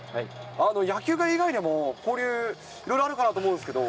野球界以外でも交流、いろいろあるかなと思うんですけど。